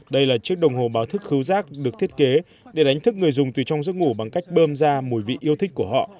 đây là chiếc đồng hồ báo thức khứ rác được thiết kế để đánh thức người dùng từ trong giấc ngủ bằng cách bơm ra mùi vị yêu thích của họ